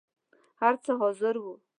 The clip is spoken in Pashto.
هر څه حاضر وو.